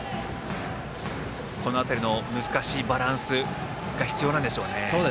この辺りの難しいバランスが必要なんでしょうね。